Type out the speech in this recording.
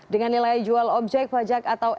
dengan nilai jual objek pajak bumi dan bangunan